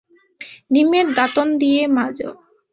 নিমের দাতন দিয়ে মাজ।